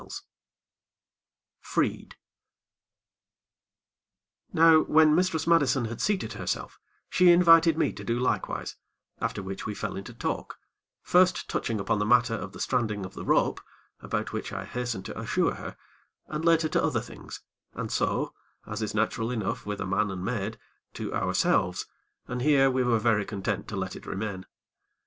XVI Freed Now, when Mistress Madison had seated herself, she invited me to do likewise, after which we fell into talk, first touching upon the matter of the stranding of the rope, about which I hastened to assure her, and later to other things, and so, as is natural enough with a man and maid, to ourselves, and here we were very content to let it remain.